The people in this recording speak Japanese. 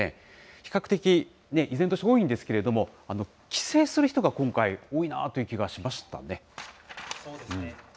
比較的、依然として多いんですけれども、帰省する人が今回、多いなという気がしましたね。